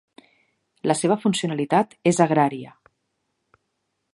La seva funcionalitat és agrària.